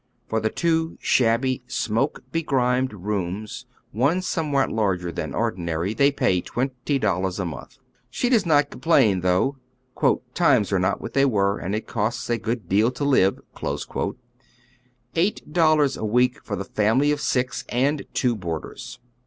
For tJie two shabby, smoke begrimed i ooms, one somewhat larger than ordinary, they pay twenty dollars a month. She does not complain, though " times are not what they were, and it costs a good deal to live." Eight dollars a week for the family of six and two boarders.